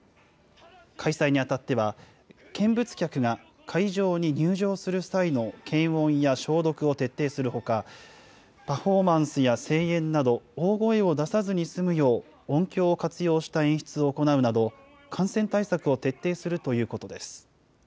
開催にあたっては、見物客が会場に入場する際の検温や消毒を徹底するほか、パフォーマンスや声援など、大声を出さずに済むよう、音響を活用した演出を行うなど、感染対策を徹底するということです。